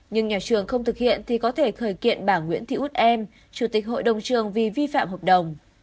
nhưng nhà trường không thực hiện thì có thể khởi kiện bà nguyễn thị út em chủ tịch hội đồng trường vì vi phạm hợp đồng